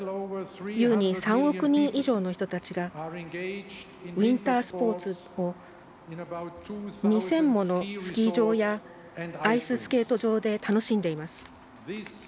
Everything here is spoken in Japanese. ゆうに３億人以上の人たちがウインタースポーツを２０００ものスキー場やアイススケート場で楽しんでいます。